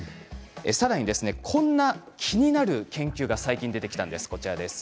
さらに、こんな気になる研究が最近、出てきたんです。